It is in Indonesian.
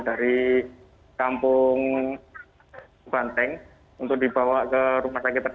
dari kampung banteng untuk dibawa ke rumah sakit